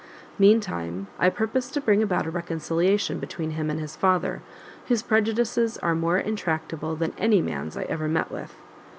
Mean time, I purpose to bring about a reconciliation between him and his father, whose prejudices are more intractable than any man's I ever met with."